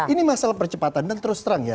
ini masalah percepatan dan terus terang ya